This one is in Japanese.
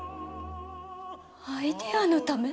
アイデアのため？